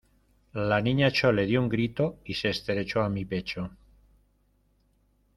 la Niña Chole dió un grito y se estrechó a mi pecho: